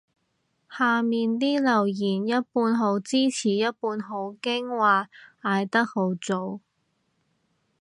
下面啲留言一半好支持一半好驚話嗌得太早